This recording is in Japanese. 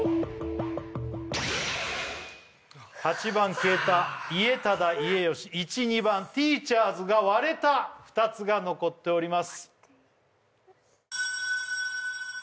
８番消えた家忠家慶１２番ティーチャーズが割れた２つが残っております